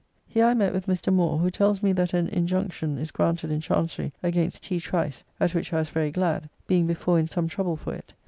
Here I met with Mr. Moore, who tells me that an injuncon is granted in Chancery against T. Trice, at which I was very glad, being before in some trouble for it.